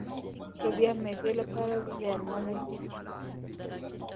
لوبيا معدې لپاره زيانمنې دي.